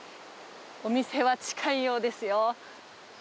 お店は近いようですよ。